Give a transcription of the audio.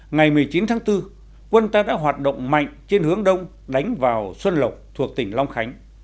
ngày một mươi chín tháng bốn quân ta đã hoạt động mạnh trên hướng đông đánh vào xuân lộc thuộc tỉnh long khánh